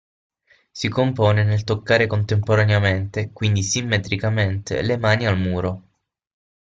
Si compone nel toccare contemporaneamente, quindi simmetricamente, le mani al muro.